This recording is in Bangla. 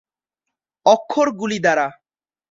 অক্ষরগুলি দ্বারা।